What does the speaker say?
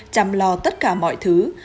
chăm lo tất cả mọi chuyện